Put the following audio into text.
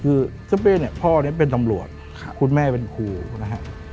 คือซุปเป้เนี่ยพ่อนี้เป็นตำรวจคุณแม่เป็นครูนะฮะ